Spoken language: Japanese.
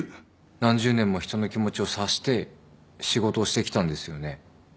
何十年も人の気持ちを察して仕事をしてきたんですよね？